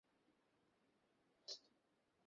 আসল সত্যটা না জেনে বেরিয়ে গিয়েছিল।